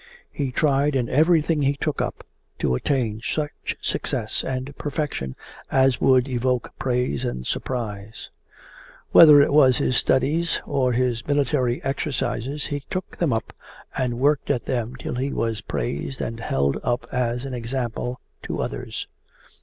He tried in everything he took up to attain such success and perfection as would evoke praise and surprise. Whether it was his studies or his military exercises, he took them up and worked at them till he was praised and held up as an example to others.